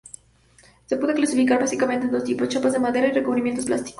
Se pueden clasificar básicamente en dos tipos: chapas de madera y recubrimientos plásticos.